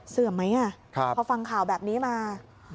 เสื่อมไหมอ่ะครับเพราะฟังข่าวแบบนี้มา